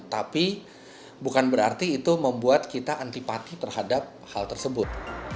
tapi bukan berarti itu membuat kita antipati terhadap hal tersebut